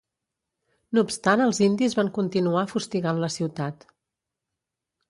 No obstant els indis van continuar fustigant la ciutat.